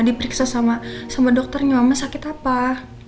dipriksa sama dokternya mama sakit apa ya